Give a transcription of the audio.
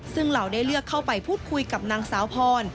ซึ่งเหลือเข้าไปพูดคุยกับนางสาวพร